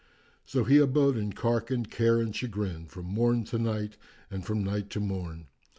So he abode in cark and care and chagrin from morn to night and from night to morn.